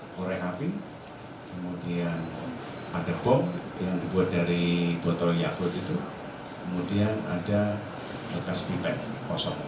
pembangunan sabu sabu yang dibuat dari botol yakult itu kemudian ada bekas pipet kosong